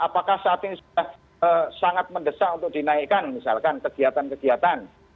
apakah saat ini sudah sangat mendesak untuk dinaikkan misalkan kegiatan kegiatan